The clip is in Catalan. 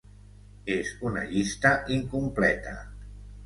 "És una llista incompleta"